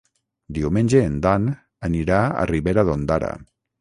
Diumenge en Dan anirà a Ribera d'Ondara.